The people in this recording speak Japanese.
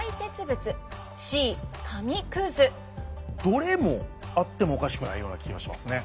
どれもあってもおかしくないような気がしますね。